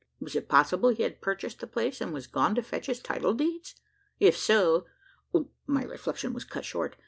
Was it possible he had purchased the place, and was gone to fetch his title deeds? If so My reflection was cut short.